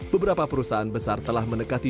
beberapa perusahaan besar telah menekati alat ini